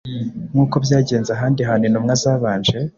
Nk’uko byagenze ahandi hantu intumwa zabanje,